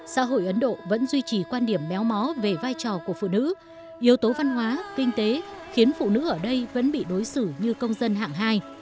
xã hội ấn độ vẫn duy trì quan điểm méo mó về vai trò của phụ nữ yếu tố văn hóa kinh tế khiến phụ nữ ở đây vẫn bị đối xử như công dân hạng hai